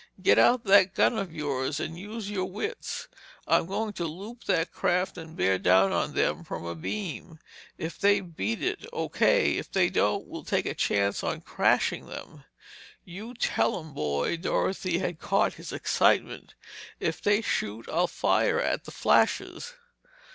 Get out that gun of yours and use your wits. I'm goin' to loop that craft and bear down on them from abeam. If they beat it, O. K. If they don't, we'll take a chance on crashing them!" "You tell 'em, boy!" Dorothy had caught his excitement. "If they shoot, I'll fire at the flashes!"